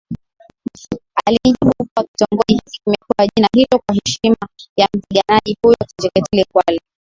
Alinijibu kuwa kitongoji hiki kimepewa jina hilo kwa heshima ya mpiganaji huyo Kinjekitile Ngwale